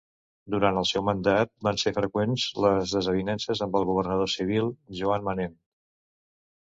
Durant el seu mandat van ser freqüents les desavinences amb el governador civil, Joan Manent.